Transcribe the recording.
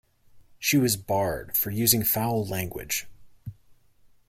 She was barred for using foul language.